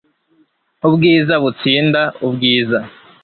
ubwiza butsinda ubwiza